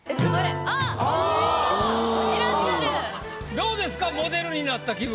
どうですかモデルになった気分。